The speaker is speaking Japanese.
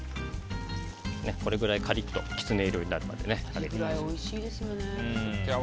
これくらいカリッとキツネ色になるまで揚げてください。